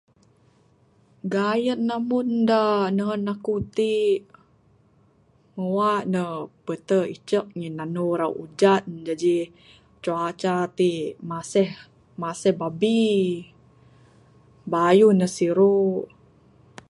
Gayen ambun da nehen aku ti muak ne petek icek ngin anu ra ujan jaji cuaca ti masih babbi bayuh ne siru.